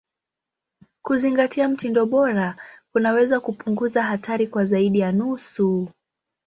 Kuzingatia mtindo bora kunaweza kupunguza hatari kwa zaidi ya nusu.